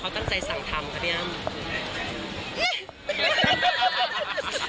เขาตั้งใจสั่งทำค่ะพี่อ้ำ